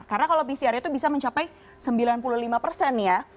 karena kalau pcr itu bisa mencapai sembilan puluh lima persen ya